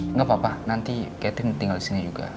enggak papa nanti catherine tinggal disini juga